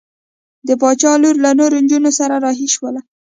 د باچا لور له نورو نجونو سره رهي شول.